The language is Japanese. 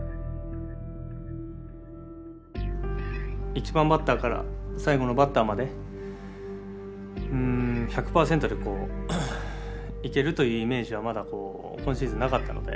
１番バッターから最後のバッターまで１００％でいけるというイメージはまだ今シーズンなかったので。